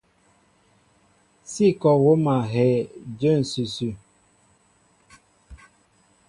Sí kɔ wóm a hɛ́ɛ́ jə̂ ǹsʉsʉ.